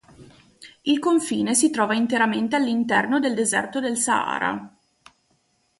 Il confine si trova interamente all'interno del deserto del Sahara.